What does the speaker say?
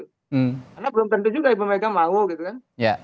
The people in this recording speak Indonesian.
karena belum tentu juga ibu mereka mau gitu kan